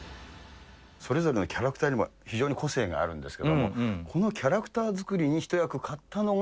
それぞれのキャラクターにも非常に個性があるんですけども、このキャラクター作りに一役買ったのが？